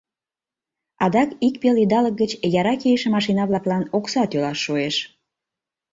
Адак ик пел идалык гыч яра кийыше машина-влаклан окса тӱлаш шуэш.